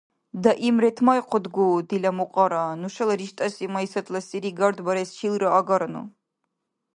Даим ретмайхъудгу, дила мукьара, нушала риштӀаси Майсатла сири гардбарес чилра агарану.